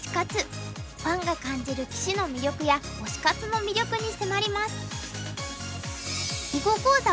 ファンが感じる棋士の魅力や推し活の魅力に迫ります。